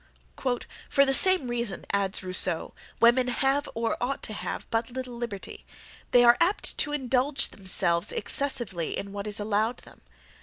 "For the same reason," adds Rousseau, "women have or ought to have, but little liberty; they are apt to indulge themselves excessively in what is allowed them.